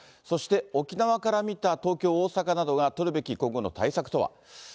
そして沖縄から見た東京、大阪などが取るべき個々の対策とは。